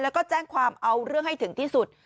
แล้วก็แจ้งความเอาเรื่องให้ถึงที่สุด